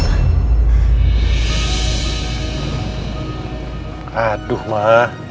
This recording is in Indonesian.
neng andin dia keluarga neng andin